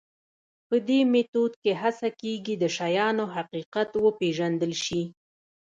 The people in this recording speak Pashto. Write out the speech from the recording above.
په دې میتود کې هڅه کېږي د شیانو حقیقت وپېژندل شي.